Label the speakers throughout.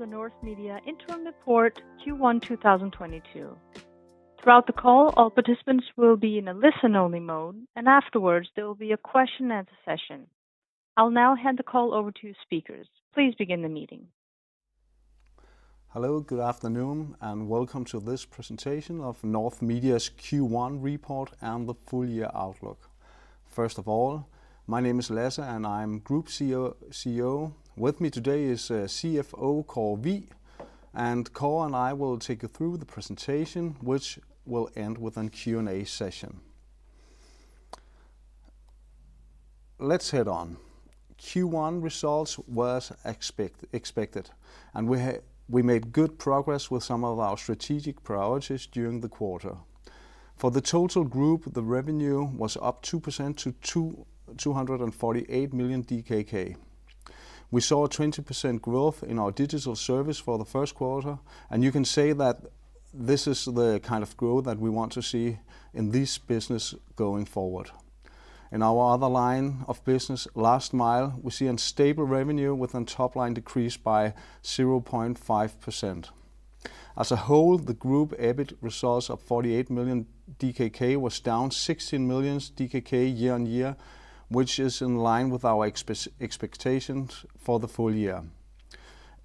Speaker 1: To the North Media Interim Report Q1 2022. Throughout the call, all participants will be in a listen-only mode, and afterwards there will be a question and answer session. I'll now hand the call over to speakers. Please begin the meeting.
Speaker 2: Hello, good afternoon, and welcome to this presentation of North Media's Q1 report and the full year outlook. First of all, my name is Lasse, and I'm Group CEO. With me today is CFO Kåre Wigh. Kåre and I will take you through the presentation, which will end with a Q&A session. Let's head on. Q1 results was expected, and we made good progress with some of our strategic priorities during the quarter. For the total group, the revenue was up 2% to 248 million DKK. We saw a 20% growth in our Digital Services for the Q1, and you can say that this is the kind of growth that we want to see in this business going forward. In our other line of business, Last Mile, we see a stable revenue with a top-line decrease by 0.5%. As a whole, the group EBIT results of 48 million DKK was down 16 million DKK year-on-year, which is in line with our expectations for the full year.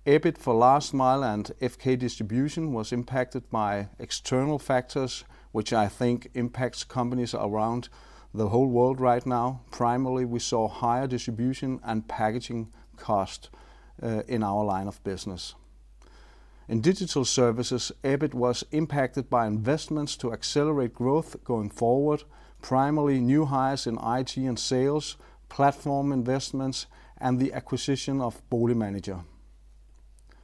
Speaker 2: EBIT for Last Mile and FK Distribution was impacted by external factors, which I think impacts companies around the whole world right now. Primarily, we saw higher distribution and packaging costs in our line of business. In Digital Services, EBIT was impacted by investments to accelerate growth going forward, primarily new hires in IT and sales, platform investments, and the acquisition of Boligmanager.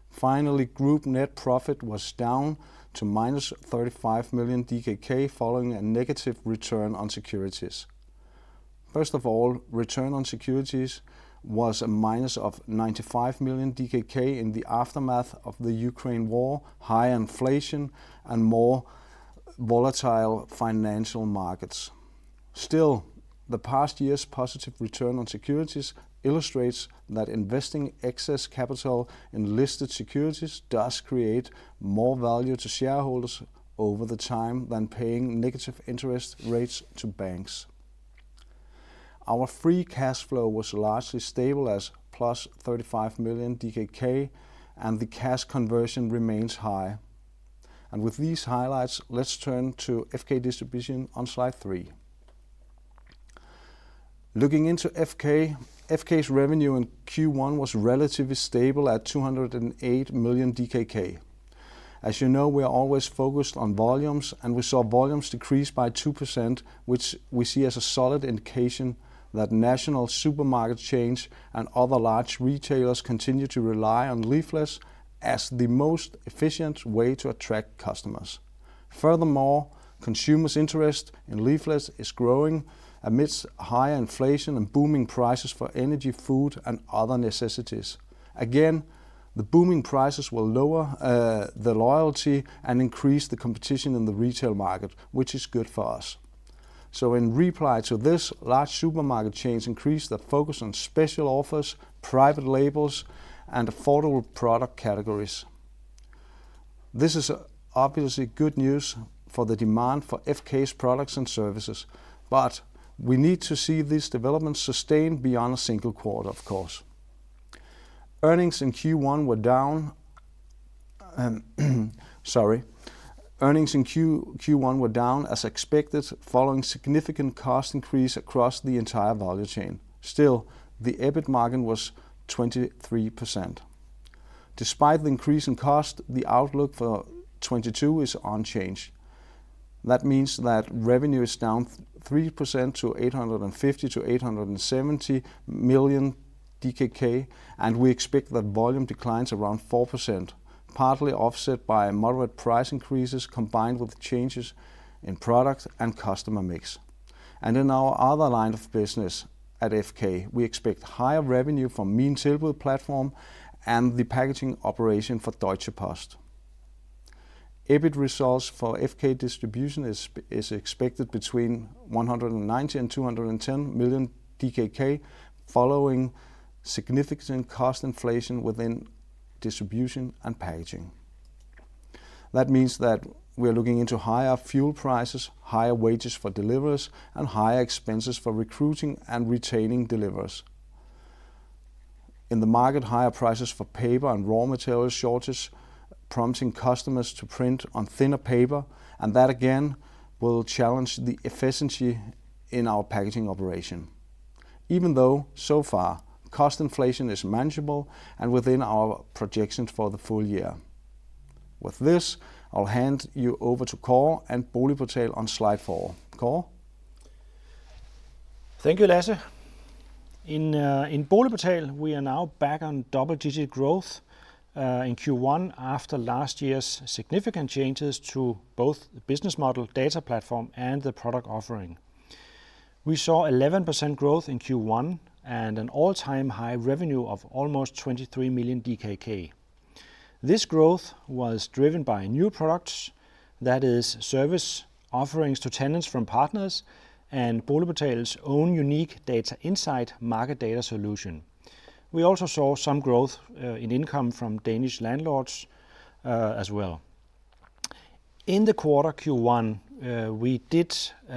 Speaker 2: Finally, group net profit was down to -35 million DKK following a negative return on securities. First of all, return on securities was a minus of 95 million DKK in the aftermath of the Ukraine war, high inflation, and more volatile financial markets. Still, the past year's positive return on securities illustrates that investing excess capital in listed securities does create more value to shareholders over time than paying negative interest rates to banks. Our free cash flow was largely stable as plus 35 million DKK, and the cash conversion remains high. With these highlights, let's turn to FK Distribution on slide 3. Looking into FK's revenue in Q1 was relatively stable at 208 million DKK. As you know, we are always focused on volumes, and we saw volumes decrease by 2%, which we see as a solid indication that national supermarket chains and other large retailers continue to rely on leaflets as the most efficient way to attract customers. Furthermore, consumers' interest in leaflets is growing amidst high inflation and booming prices for energy, food, and other necessities. Again, the booming prices will lower the loyalty and increase the competition in the retail market, which is good for us. In reply to this, large supermarket chains increased their focus on special offers, private labels, and affordable product categories. This is obviously good news for the demand for FK's products and services, but we need to see this development sustained beyond a single quarter of course. Earnings in Q1 were down. Earnings in Q1 were down as expected following significant cost increase across the entire value chain. Still, the EBIT margin was 23%. Despite the increase in cost, the outlook for 2022 is unchanged. That means that revenue is down 3% to 850 million-870 million DKK, and we expect that volume declines around 4%, partly offset by moderate price increases combined with changes in product and customer mix. In our other line of business at FK, we expect higher revenue from minetilbud platform and the packaging operation for Deutsche Post. EBIT results for FK Distribution is expected between 190 million and 210 million DKK following significant cost inflation within distribution and packaging. That means that we are looking into higher fuel prices, higher wages for deliveries, and higher expenses for recruiting and retaining deliveries. In the market, higher prices for paper and raw material shortages prompting customers to print on thinner paper, and that again will challenge the efficiency in our packaging operation. Even though, so far, cost inflation is manageable and within our projections for the full year. With this, I'll hand you over to Kåre and BoligPortal on slide four. Kåre?
Speaker 3: Thank you, Lasse. In BoligPortal, we are now back on double-digit growth in Q1 after last year's significant changes to both the business model, data platform, and the product offering. We saw 11% growth in Q1 and an all-time high revenue of almost 23 million DKK. This growth was driven by new products. That is service offerings to tenants from partners and BoligPortal's own unique Data Insights market data solution. We also saw some growth in income from Danish landlords as well. In Q1, we did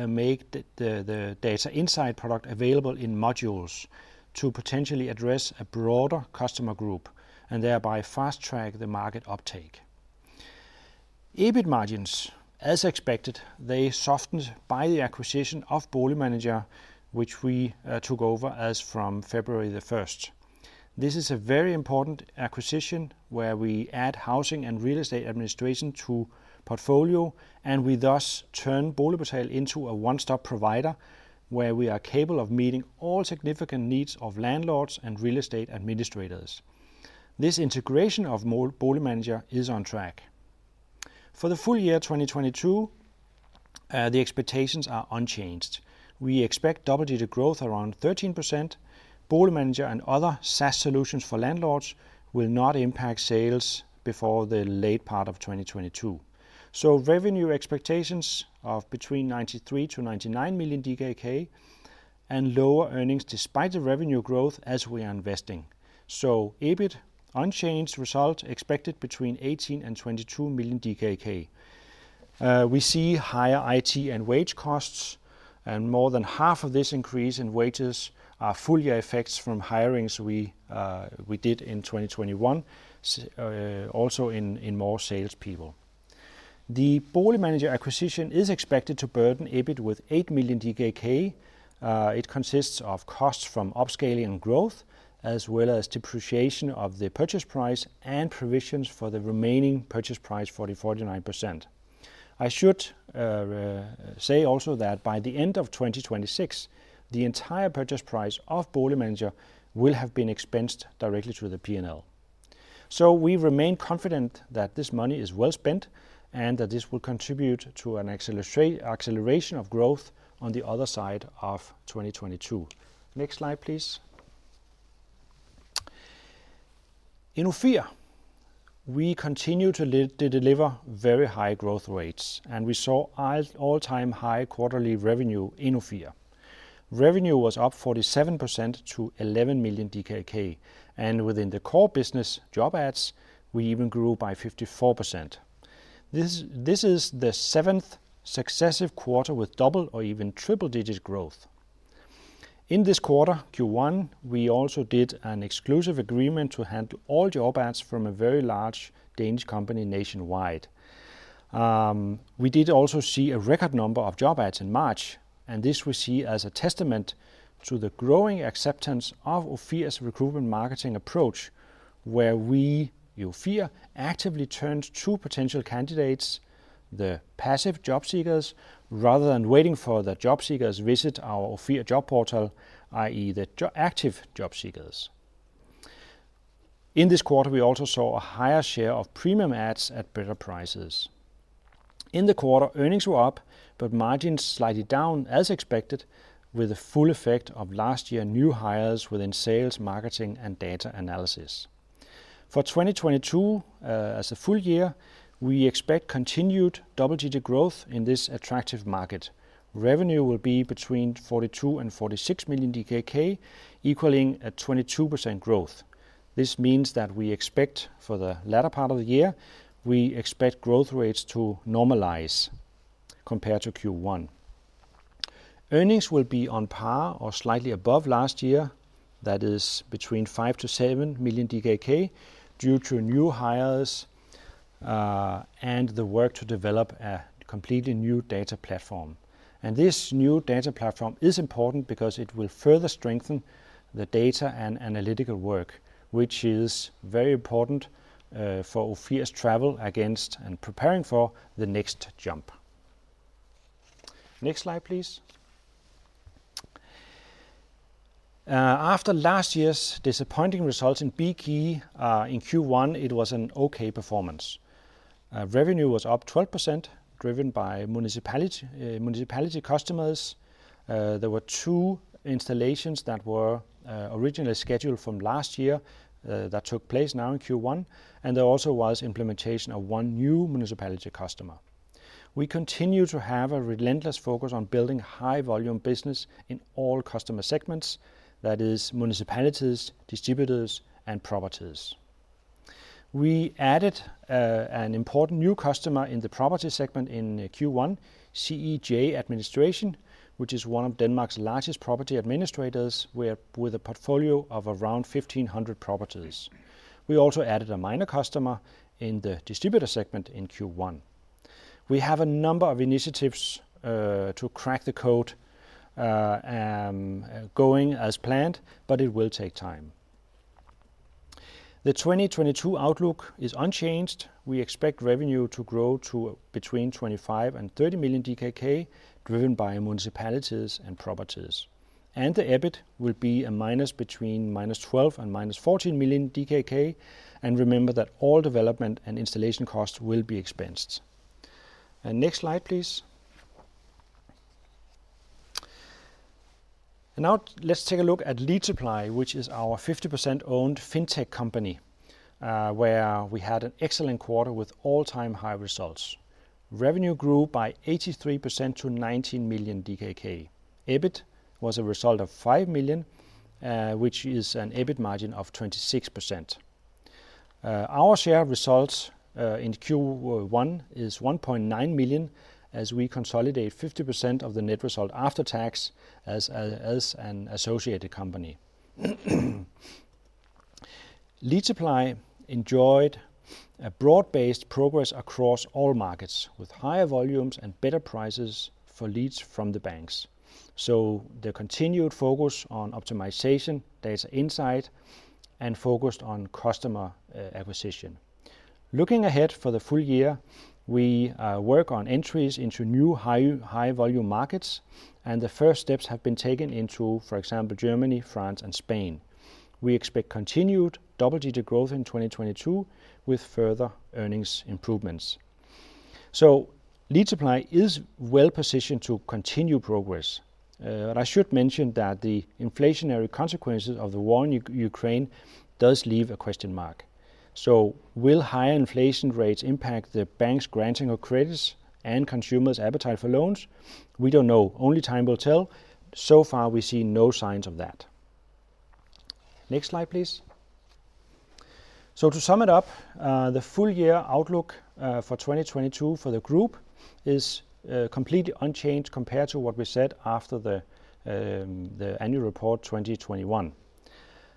Speaker 3: make the Data Insights product available in modules to potentially address a broader customer group and thereby fast-track the market uptake. EBIT margins, as expected, they softened by the acquisition of Boligmanager which we took over as from February 1st. This is a very important acquisition where we add housing and real estate administration to portfolio, and we thus turn BoligPortal into a one-stop provider where we are capable of meeting all significant needs of landlords and real estate administrators. This integration of Boligmanager is on track. For the full year 2022, the expectations are unchanged. We expect double-digit growth around 13%. Boligmanager and other SaaS solutions for landlords will not impact sales before the late part of 2022. Revenue expectations of between 93-99 million DKK and lower earnings despite the revenue growth as we are investing. EBIT unchanged. Result expected between 18 and 22 million. We see higher IT and wage costs, and more than half of this increase in wages are full year effects from hirings we did in 2021, also in more salespeople. The Boligmanager acquisition is expected to burden EBIT with 8 million DKK. It consists of costs from upscaling growth as well as depreciation of the purchase price and provisions for the remaining purchase price for the 49%. I should say also that by the end of 2026, the entire purchase price of Boligmanager will have been expensed directly to the P&L. We remain confident that this money is well spent and that this will contribute to an acceleration of growth on the other side of 2022. Next slide, please. In Ofir, we continue to deliver very high growth rates, and we saw all-time high quarterly revenue in Ofir. Revenue was up 47% to 11 million DKK, and within the core business job ads, we even grew by 54%. This is the seventh successive quarter with double- or even triple-digit growth. In this quarter, Q1, we also did an exclusive agreement to handle all job ads from a very large Danish company nationwide. We did also see a record number of job ads in March, and this we see as a testament to the growing acceptance of Ofir's recruitment marketing approach, where we, Ofir, actively turned to potential candidates, the passive job seekers, rather than waiting for the job seekers visit our Ofir job portal, i.e. the active job seekers. In this quarter, we also saw a higher share of premium ads at better prices. In the quarter, earnings were up but margins slightly down as expected, with the full effect of last year new hires within sales, marketing and data analysis. For 2022, as a full year, we expect continued double-digit growth in this attractive market. Revenue will be between 42 million and 46 million DKK, equaling a 22% growth. This means that we expect for the latter part of the year, we expect growth rates to normalize compared to Q1. Earnings will be on par or slightly above last year. That is between 5 million and 7 million DKK due to new hires, and the work to develop a completely new data platform. This new data platform is important because it will further strengthen the data and analytical work, which is very important for Ofir's trajectory and preparing for the next jump. Next slide please. After last year's disappointing results in Bekey, in Q1, it was an okay performance. Revenue was up 12%, driven by municipality customers. There were two installations that were originally scheduled from last year that took place now in Q1, and there also was implementation of one new municipality customer. We continue to have a relentless focus on building high volume business in all customer segments. That is municipalities, distributors and properties. We added an important new customer in the property segment in Q1, CEJ Ejendomsadministration, which is one of Denmark's largest property administrators with a portfolio of around 1,500 properties. We also added a minor customer in the distributor segment in Q1. We have a number of initiatives to crack the code going as planned, but it will take time. The 2022 outlook is unchanged. We expect revenue to grow to between 25 million and 30 million DKK, driven by municipalities and properties, and the EBIT will be a minus between minus 12 million and minus 14 million DKK. Remember that all development and installation costs will be expensed. Next slide please. Now let's take a look at Lead Supply, which is our 50% owned fintech company, where we had an excellent quarter with all-time high results. Revenue grew by 83% to 19 million DKK. EBIT was a result of 5 million, which is an EBIT margin of 26%. Our share results in Q1 is 1.9 million, as we consolidate 50% of the net result after tax as an associated company. Lead Supply enjoyed a broad-based progress across all markets, with higher volumes and better prices for leads from the banks. The continued focus on optimization, data insight, and focused on customer acquisition. Looking ahead for the full year, we work on entries into new high volume markets, and the first steps have been taken into, for example, Germany, France, and Spain. We expect continued double-digit growth in 2022 with further earnings improvements. Lead Supply is well positioned to continue progress. And I should mention that the inflationary consequences of the war in Ukraine does leave a question mark. Will higher inflation rates impact the bank's granting of credits and consumers' appetite for loans? We don't know. Only time will tell. So far we see no signs of that. Next slide, please. To sum it up, the full year outlook for 2022 for the group is completely unchanged compared to what we said after the annual report 2021.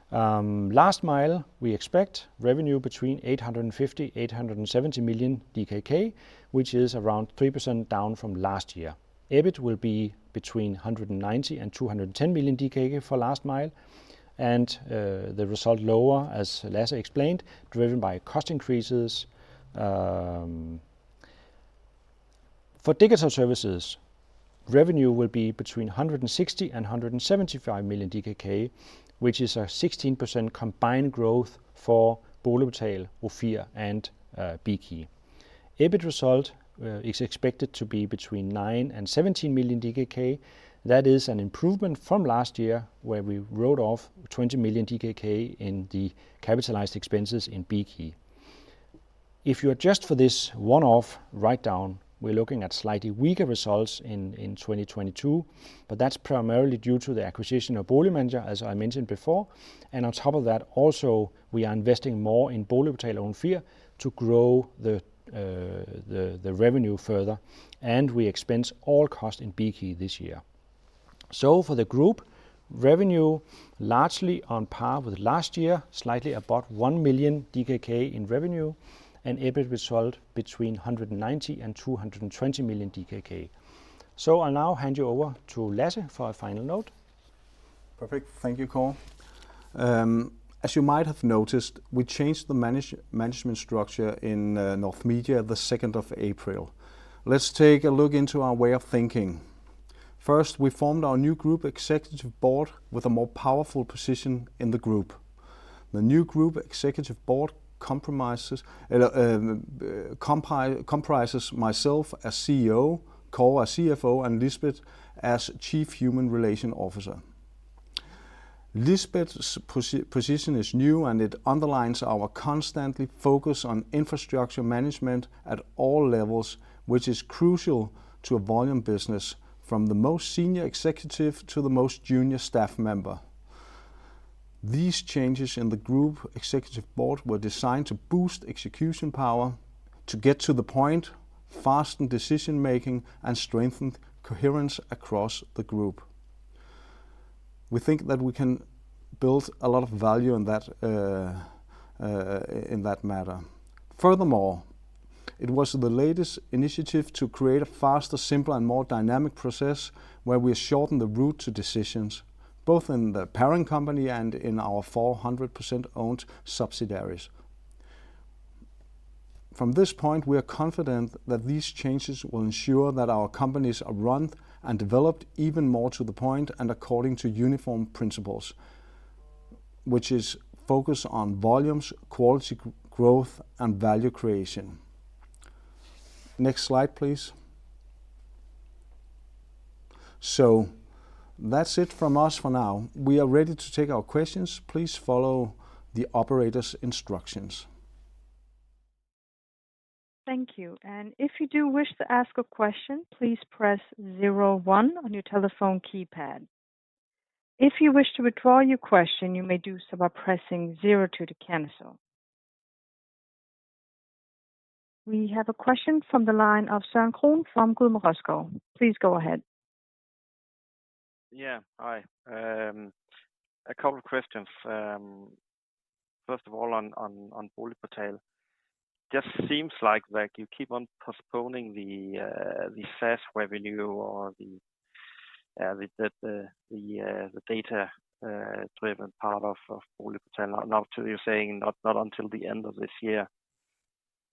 Speaker 3: Last Mile, we expect revenue between 850 million and 870 million DKK, which is around 3% down from last year. EBIT will be between 190 million and 210 million DKK for Last Mile, and the result lower, as Lasse explained, driven by cost increases. For Digital Services, revenue will be between 160 million and 175 million DKK, which is a 16% combined growth for BoligPortal, Ofir, and Bekey. EBIT result is expected to be between 9 million and 17 million DKK. That is an improvement from last year, where we wrote off 20 million DKK in the capitalized expenses in Bekey. If you adjust for this one-off write-down, we're looking at slightly weaker results in 2022, but that's primarily due to the acquisition of Boligmanager, as I mentioned before. On top of that, we are investing more in BoligPortal and Ofir to grow the revenue further, and we expense all cost in Bekey this year. For the group, revenue largely on par with last year, slightly above 1 million DKK in revenue, and EBIT result between 190 and 220 million DKK. I'll now hand you over to Lasse for a final note.
Speaker 2: Perfect. Thank you, Kåre. As you might have noticed, we changed the management structure in North Media the second of April. Let's take a look into our way of thinking. First, we formed our new group executive board with a more powerful position in the group. The new group executive board comprises myself as CEO, Kåre as CFO, and Lisbeth as Chief Human Resources Officer. Lisbeth's position is new, and it underlines our constant focus on infrastructure management at all levels, which is crucial to a volume business, from the most senior executive to the most junior staff member. These changes in the group executive board were designed to boost execution power, to get to the point, hasten decision-making, and strengthen coherence across the group. We think that we can build a lot of value in that matter. Furthermore, it was the latest initiative to create a faster, simpler, and more dynamic process where we shorten the route to decisions, both in the parent company and in our 100%-owned subsidiaries. From this point, we are confident that these changes will ensure that our companies are run and developed even more to the point and according to uniform principles, which is focused on volumes, quality growth, and value creation. Next slide, please. That's it from us for now. We are ready to take our questions. Please follow the operator's instructions.
Speaker 1: Thank you. If you do wish to ask a question, please press zero one on your telephone keypad. If you wish to withdraw your question, you may do so by pressing zero two to cancel. We have a question from the line of Søren Kron from Gudme Raaschou. Please go ahead.
Speaker 4: Yeah. Hi. A couple of questions. First of all, on BoligPortal, it just seems like you keep on postponing the SaaS revenue or the data driven part of BoligPortal. Now you're saying not until the end of this year.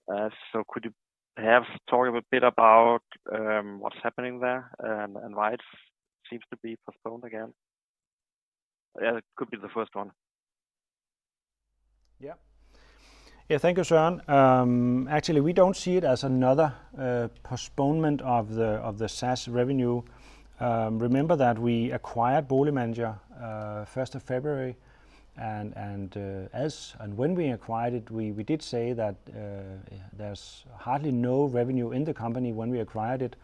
Speaker 4: So could you perhaps talk a bit about what's happening there and why it seems to be postponed again? Yeah, it could be the first one.
Speaker 3: Yeah. Yeah. Thank you, Søren. Actually, we don't see it as another postponement of the SaaS revenue. Remember that we acquired Boligmanager first of February, and as and when we acquired it, we did say that there's hardly no revenue in the company when we acquired it.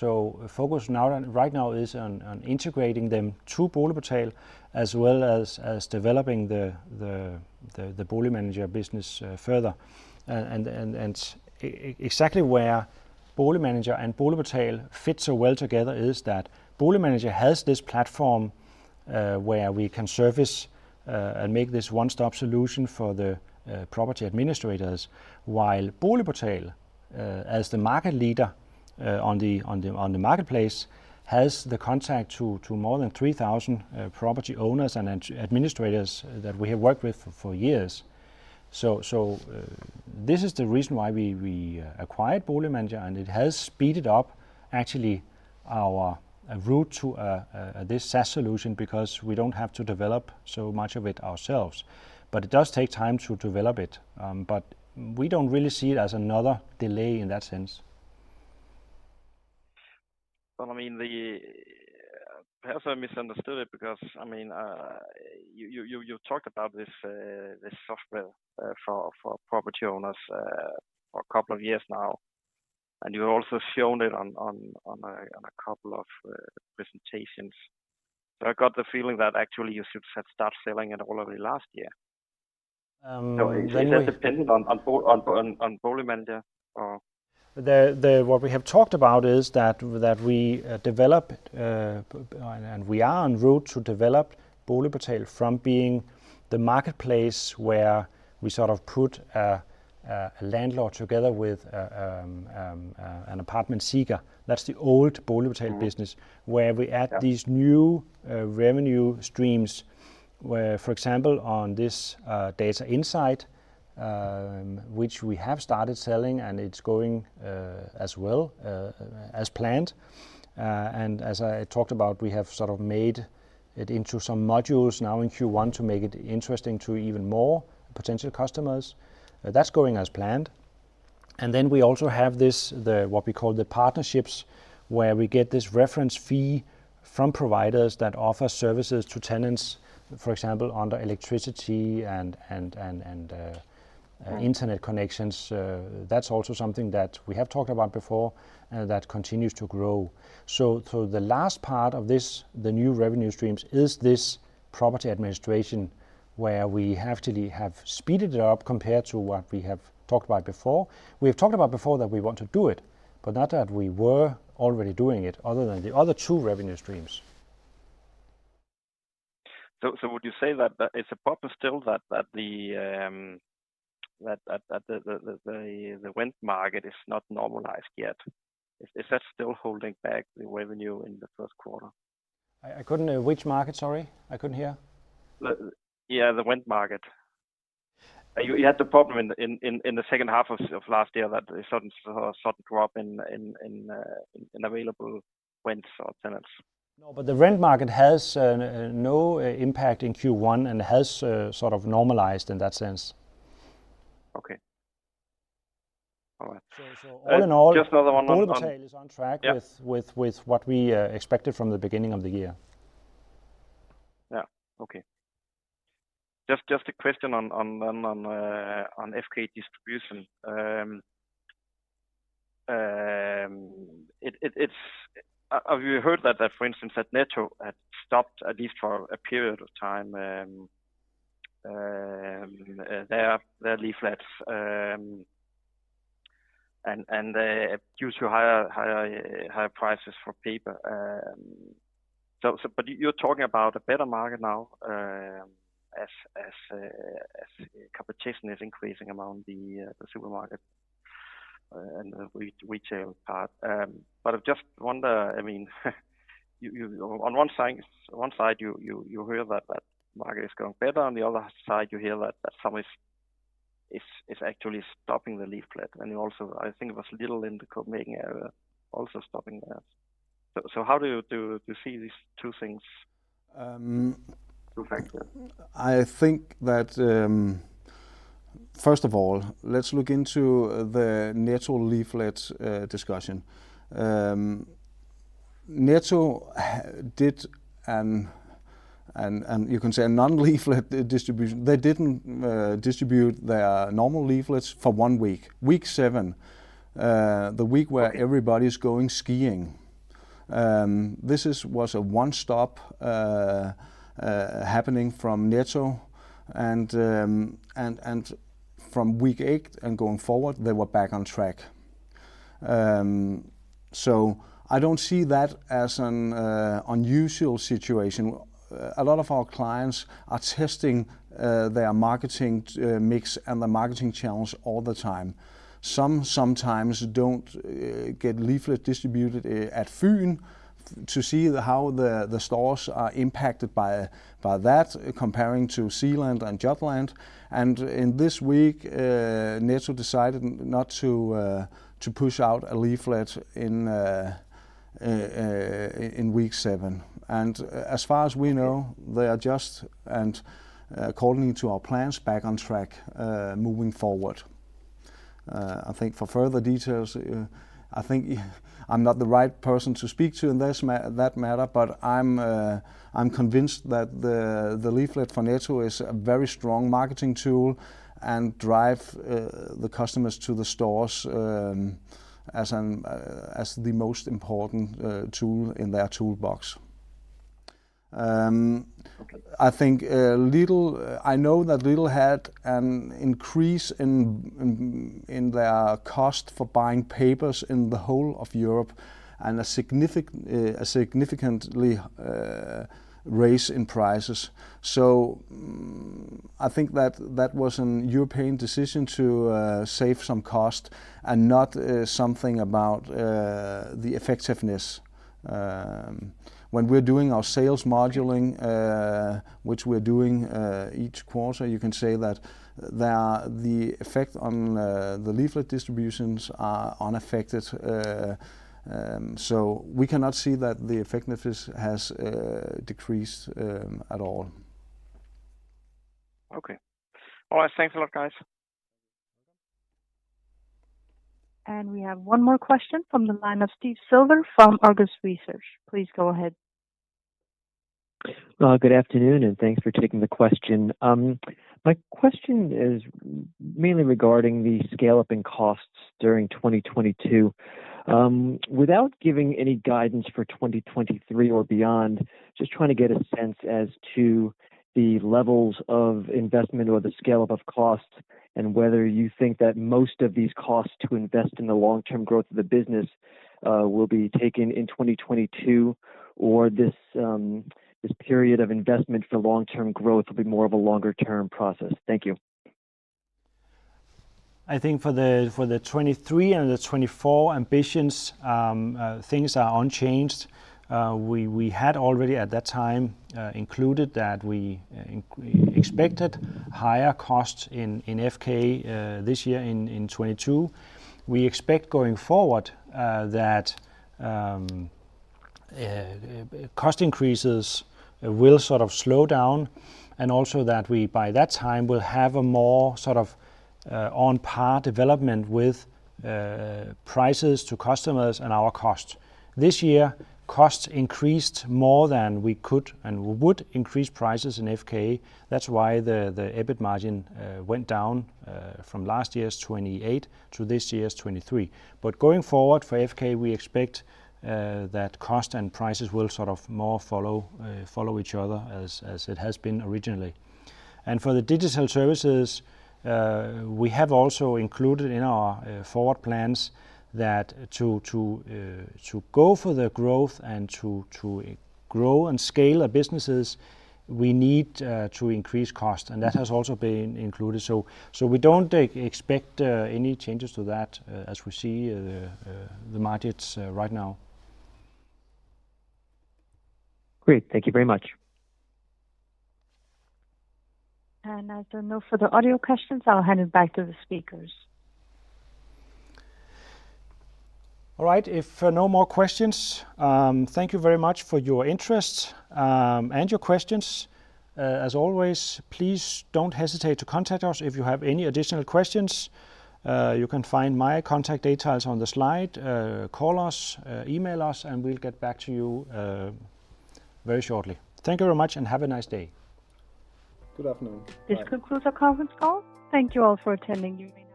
Speaker 3: The focus right now is on integrating them to BoligPortal as well as developing the Boligmanager business further. Exactly where Boligmanager and BoligPortal fit so well together is that Boligmanager has this platform, where we can service and make this one-stop solution for the property administrators, while BoligPortal, as the market leader on the marketplace has the contact to more than 3,000 property owners and administrators that we have worked with for years. This is the reason why we acquired Boligmanager, and it has speeded up actually our route to this SaaS solution because we don't have to develop so much of it ourselves. It does take time to develop it. We don't really see it as another delay in that sense.
Speaker 4: Well, I mean, perhaps I misunderstood it because, I mean, you talked about this software for property owners for a couple of years now, and you've also shown it on a couple of presentations. I got the feeling that actually you should have start selling it already last year.
Speaker 3: Um, maybe-
Speaker 4: Is that dependent on Boligmanager or?
Speaker 3: What we have talked about is that we develop and we are en route to develop BoligPortal from being the marketplace where we sort of put a landlord together with an apartment seeker. That's the old BoligPortal business where we add-
Speaker 4: Yeah
Speaker 3: These new revenue streams where, for example, on this Data Insights which we have started selling and it's going as well as planned. As I talked about, we have sort of made it into some modules now in Q1 to make it interesting to even more potential customers. That's going as planned. We also have this, what we call the partnerships, where we get this referral fee from providers that offer services to tenants, for example, under electricity and internet connections. That's also something that we have talked about before and that continues to grow. The last part of this, the new revenue streams is this property administration where we had to speed it up compared to what we have talked about before. We've talked about before that we want to do it, but not that we were already doing it other than the other two revenue streams.
Speaker 4: Would you say that it's a problem still that the rent market is not normalized yet? Is that still holding back the revenue in the Q1?
Speaker 3: I couldn't hear. Which market, sorry? I couldn't hear.
Speaker 4: Yeah, the rent market. You had the problem in the H2 of last year that a sudden drop in available rents or tenants.
Speaker 3: No, but the rent market has no impact in Q1 and has sort of normalized in that sense.
Speaker 4: Okay. All right.
Speaker 3: All in all.
Speaker 4: Just another one.
Speaker 3: BoligPortal is on track.
Speaker 4: Yeah...
Speaker 3: with what we expected from the beginning of the year.
Speaker 4: Yeah. Okay. Just a question on FK Distribution. Have you heard that for instance Netto had stopped at least for a period of time their leaflets and due to higher prices for paper. You're talking about a better market now as competition is increasing among the supermarket and the retail part. I've just wonder. I mean, you on one side you hear that market is going better. On the other side, you hear that some is actually stopping the leaflet. You also, I think it was Lidl in the København area also stopping theirs. How do you see these two things, two factors?
Speaker 3: I think that, first of all, let's look into the Netto leaflet discussion. Netto did, you can say, a non-leaflet distribution. They didn't distribute their normal leaflets for one week seven. The week where everybody's going skiing. This was a one-off happening from Netto and from week 8eight and going forward, they were back on track. So I don't see that as an unusual situation. A lot of our clients are testing their marketing mix and their marketing channels all the time. Sometimes don't get leaflets distributed at Fyn to see how the stores are impacted by that comparing to Zealand and Jutland. In this week, Netto decided not to push out a leaflet in week seven. As far as we know, they are just, and according to our plans, back on track, moving forward. I think for further details, I'm not the right person to speak to in that matter, but I'm convinced that the leaflet for Netto is a very strong marketing tool and drives the customers to the stores, as the most important tool in their toolbox.
Speaker 4: Okay.
Speaker 3: I think Lidl I know that Lidl had an increase in their cost for buying papers in the whole of Europe and a significant rise in prices. I think that was a European decision to save some cost and not something about the effectiveness. When we're doing our sales modeling, which we're doing each quarter, you can say that the effect on the leaflet distributions are unaffected. We cannot see that the effectiveness has decreased at all.
Speaker 4: Okay. All right. Thanks a lot, guys.
Speaker 1: We have one more question from the line of Steve Silver from Argus Research. Please go ahead.
Speaker 5: Good afternoon, and thanks for taking the question. My question is mainly regarding the scale-up in costs during 2022. Without giving any guidance for 2023 or beyond, just trying to get a sense as to the levels of investment or the scale-up of costs, and whether you think that most of these costs to invest in the long-term growth of the business will be taken in 2022, or this period of investment for long-term growth will be more of a longer term process. Thank you.
Speaker 3: I think for the 2023 and the 2024 ambitions, things are unchanged. We had already at that time included that we expected higher costs in FK this year in 2022. We expect going forward that cost increases will sort of slow down and also that we, by that time, will have a more sort of on par development with prices to customers and our costs. This year, costs increased more than we could and would increase prices in FK. That's why the EBIT margin went down from last year's 28% to this year's 23%. Going forward for FK, we expect that cost and prices will sort of more follow each other as it has been originally. For the Digital Services, we have also included in our forward plans that to go for the growth and to grow and scale our businesses, we need to increase cost. That has also been included. We don't expect any changes to that as we see the markets right now.
Speaker 5: Great. Thank you very much.
Speaker 1: As there are no further audio questions, I'll hand it back to the speakers.
Speaker 3: All right. If no more questions, thank you very much for your interest, and your questions. As always, please don't hesitate to contact us if you have any additional questions. You can find my contact details on the slide. Call us, email us, and we'll get back to you, very shortly. Thank you very much, and have a nice day.
Speaker 4: Good afternoon. Bye.
Speaker 1: This concludes our conference call. Thank you all for attending. You may now disconnect.